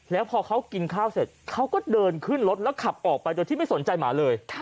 แล้วพอเขากินข้าวเสร็จเขาก็เดินขึ้นรถแล้วขับออกไปโดยที่ไม่สนใจหมาเลย